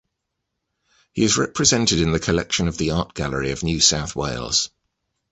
He is represented in the collection of the Art Gallery of New South Wales.